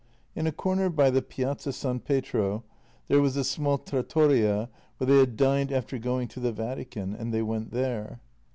In a corner by the Piazza San Pietro there was a small trattoria where they had dined after going to the Vatican, and they went there.